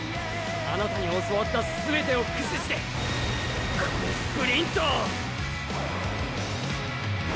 あなたに教わった全てを駆使してこのスプリントを！